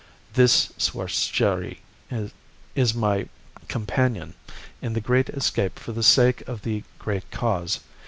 "This, soeur cherie, is my companion in the great escape for the sake of the great cause.